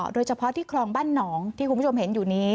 โดยเฉพาะที่คลองบ้านหนองที่คุณผู้ชมเห็นอยู่นี้